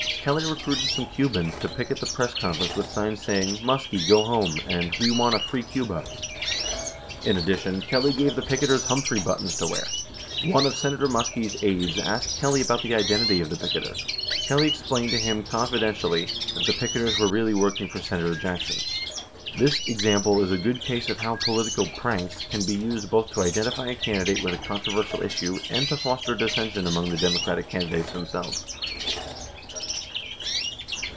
Kelly re cruited some Cubans to picket the press conference with signs say ing, "Muskie go home," and "We want a free Cuba." 12 In addition, Kelly gave the picketers Humphrey buttons to wear. One of Senator Muskie's aides asked Kelly about the identity of the picketers. Kelly explained to him "confidentially" that the picketers were really working for Senator Jackson. 13 This example is a good case of how political "pranks" can be used both to identify a candidate with a controversial issue and to foster dissension among the Democratic candidates themselves.